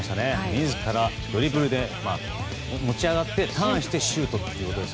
自らドリブルで持ち上がってターンしてシュート。